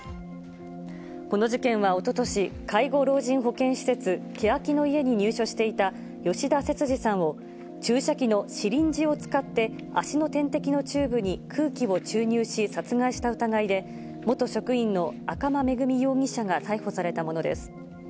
この事件はおととし、介護老人保健施設、けやきの舎に入所していた吉田節次さんを注射器のシリンジを使って、足の点滴のチューブに空気を注入し、殺害した疑いで元職員の赤間恵美容疑者が逮捕されたものです。